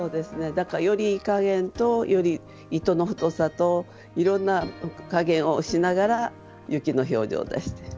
だから撚り加減と撚り糸の太さといろんな加減をしながら雪の表情を出してる。